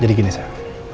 jadi gini sah